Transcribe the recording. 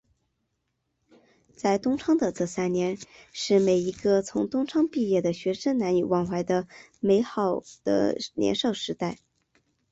在东昌的这三年是每一个从东昌毕业的学生难以忘怀美好的年少时光。